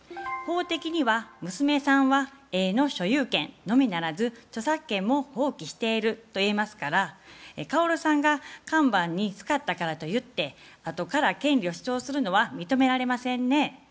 法的には娘さんは絵の所有権のみならず著作権も放棄しているといえますから薫さんが看板に使ったからといって後から権利を主張するのは認められませんね。